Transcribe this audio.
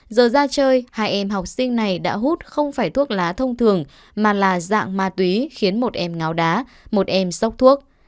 giờ ra chơi hai em học sinh này đã hút không phải thuốc lá thông thường mà là dạng ma túy khiến một em ngáo đá một em sốc thuốc